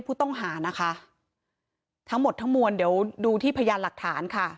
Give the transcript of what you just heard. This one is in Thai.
ผู้ต้องหานะคะทั้งหมดทั้งมวลเดี๋ยวดูที่พยานหลักฐานค่ะ